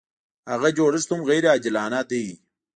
هغه جوړښت هم غیر عادلانه دی.